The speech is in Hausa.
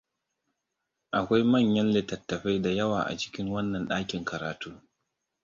Akwai manyan littattafai da yawa a cikin wannan ɗakin karatu.